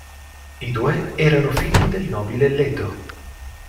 I due erano figli del nobile Leto.